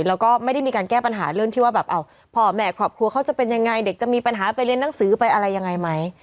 แล้วก็ไม่ได้มีการแก้ปัญหาเรื่องที่ว่าแบบพ่อแม่ครอบครัวเขาจะเป็นยังไงเด็กจะมีปัญหาไปเรียนหนังสือไปอะไรยังไงไหม